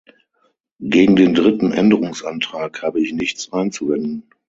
Gegen den dritten Änderungsantrag habe ich nichts einzuwenden.